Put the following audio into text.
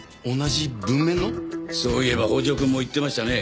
そういえば北条君も言ってましたね。